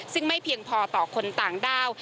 ซึ่งไม่เพียงพอต่อคนต่างด้าว